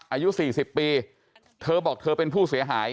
อายุ๔๐ปีเธอบอกเธอเป็นผู้เสียหาย